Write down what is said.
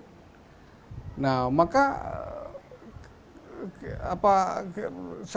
sehingga kalau kita pilih kapan saja waktunya itu pasti sebelum itu ada kekerasan ada insiden